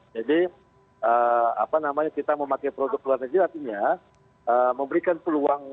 jadi kita memakai produk luar negeri artinya memberikan peluang